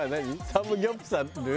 サムギョプサル？